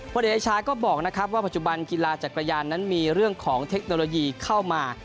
เดชาก็บอกนะครับว่าปัจจุบันกีฬาจักรยานนั้นมีเรื่องของเทคโนโลยีเข้ามา